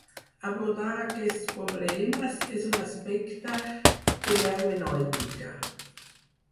Abordar aquests problemes és un aspecte de l'hermenèutica.